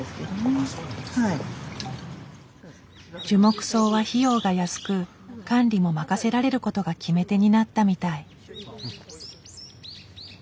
樹木葬は費用が安く管理も任せられることが決め手になったみたい。